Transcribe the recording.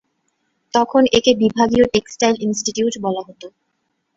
তখন একে বিভাগীয় টেক্সটাইল ইনস্টিটিউট বলা হত।